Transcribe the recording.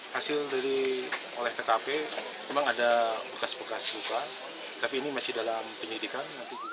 hasil dari olah tkp memang ada bekas bekas luka tapi ini masih dalam penyidikan